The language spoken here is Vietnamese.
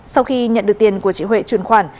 sau khi nhận được tiền của chị huệ chuyển khoản